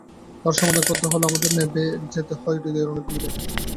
তার সমাধান করতে হলে আমাদের নেবে যেতে হয় হৃদয়ের অনেক গভীরে।